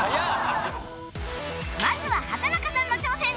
まずは畠中さんの挑戦